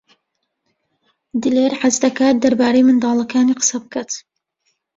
دلێر حەز دەکات دەربارەی منداڵەکانی قسە بکات.